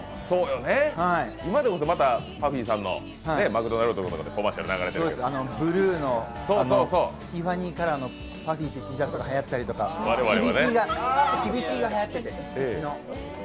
今でこそ、またＰＵＦＦＹさんはマクドナルドとかでＣＭ流れててブルーのティファニーカラーのＴシャツがはやったりとか、チビＴがはやってて。